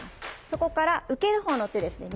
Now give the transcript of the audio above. そこから受ける方の手ですね